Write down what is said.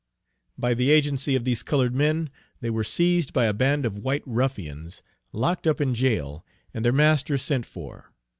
By the agency of these colored men, they were seized by a band of white ruffians, locked up in jail, and their master sent for.